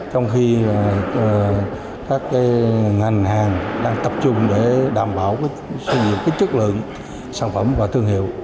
trong khi các ngành hàng đang tập trung để đảm bảo sử dụng cái chất lượng sản phẩm và thương hiệu